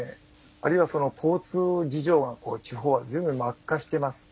あるいは、交通事情が地方はずいぶん悪化しています。